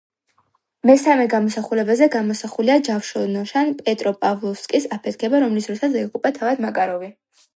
მესამე გამოსახულებაზე გამოსახულია ჯავშნოსან „პეტროპავლოვსკის“ აფეთქება, რომლის დროსაც დაიღუპა თავად მაკაროვი.